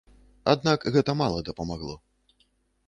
Аднак гэта мала дапамагло.